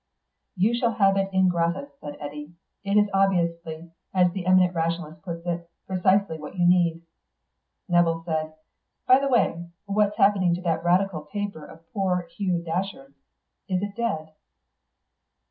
"You shall have it gratis," said Eddy. "It is obviously, as the eminent rationalist puts it, precisely what you need." Nevill said, "By the way, what's happening to that Radical paper of poor Hugh Datcherd's? Is it dead?"